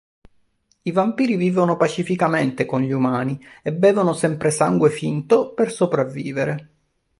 I vampiri vivono pacificamente con gli umani e bevono sempre sangue finto per sopravvivere.